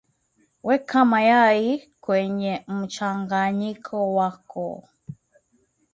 weka mayai kwenye mchanganyi wako